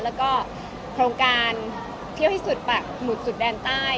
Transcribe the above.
แล้วก็โครงการเที่ยวที่สุดปากหมุดสุดแดนใต้